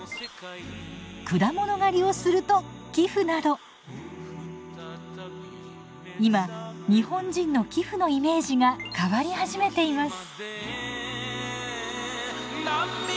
果物狩りをすると寄付など今日本人の寄付のイメージが変わり始めています。